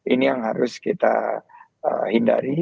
ini yang harus kita hindari